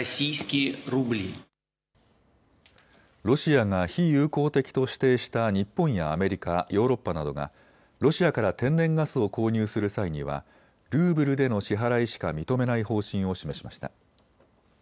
ロシアが非友好的と指定した日本やアメリカ、ヨーロッパなどがロシアから天然ガスを購入する際にはグーグルでの支払いしか認めない方針を示しました。